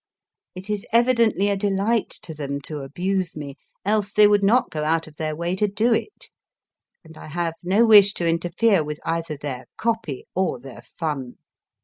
It is evidently a delight to them to abuse me, else they would not go out of their way to do it ; and I have no wish to interfere with either their copy or their fun.